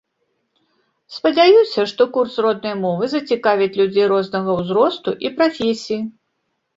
Спадзяюся, што курс роднай мовы зацікавіць людзей рознага ўзросту і прафесій.